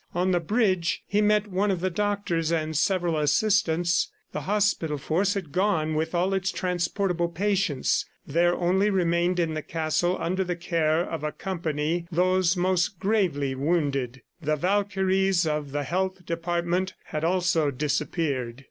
On the bridge he met one of the doctors and several assistants. The hospital force had gone with all its transportable patients. There only remained in the castle, under the care of a company, those most gravely wounded. The Valkyries of the health department had also disappeared.